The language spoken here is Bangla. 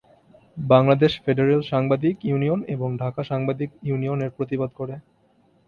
বাংলাদেশ ফেডারেল সাংবাদিক ইউনিয়ন এবং ঢাকা সাংবাদিক ইউনিয়ন এর প্রতিবাদ করে।